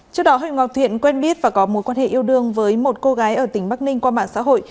trước đó huỳnh ngọc thiện quen biết và có mối quan hệ yêu đương với một cô gái ở tỉnh bắc ninh qua mạng xã hội